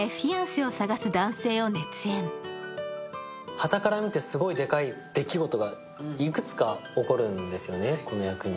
はたから見て、すごいでかいできごとがいくつか起こるんですね、この役に。